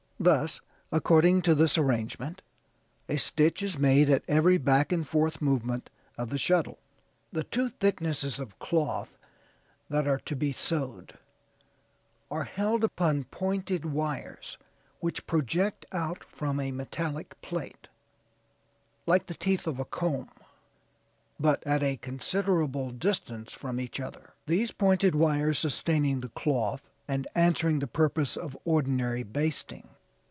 Thus, according to this arrangement, a stitch is made at every back and forth movement of the shuttle. The two thicknesses of cloth that are to be sewed, are held upon pointed wires which project out from a metallic plate, like the teeth of a comb, but at a considerable distance from each other, these pointed wires sustaining the cloth, and answering the purpose of ordinary basting.